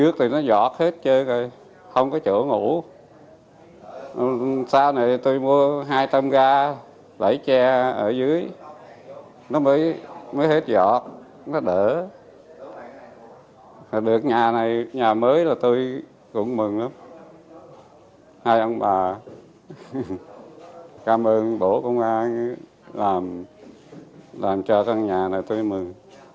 cảm ơn bộ công an làm cho căn nhà này tới mừng